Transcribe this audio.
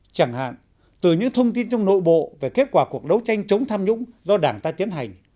chẳng hạn từ những thông tin trong nội bộ về kết quả cuộc đấu tranh chống tham nhũng do đảng ta tiến hành